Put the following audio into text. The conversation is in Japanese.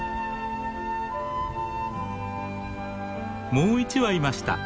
もう一羽いました。